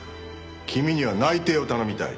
君には内偵を頼みたい。